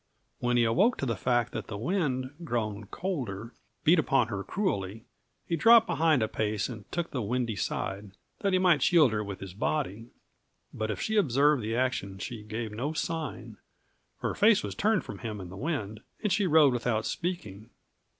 When he awoke to the fact that the wind, grown colder, beat upon her cruelly, he dropped behind a pace and took the windy side, that he might shield her with his body. But if she observed the action she gave no sign; her face was turned from him and the wind, and she rode without speaking.